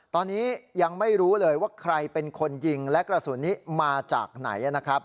ตอนนี้ยังไม่รู้เลยว่าใครเป็นคนยิงและกระสุนนี้มาจากไหนนะครับ